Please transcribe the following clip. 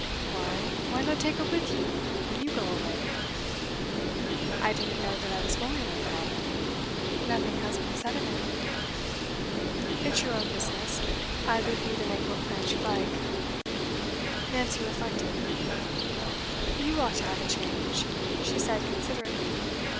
'Well, why not take her with you, when you go away?' 'I didn't know that I was going away, father. Nothing has been said of it.' 'It's your own business. I leave you to make what plans you like.' Nancy reflected. 'You ought to have a change,' she said considerately.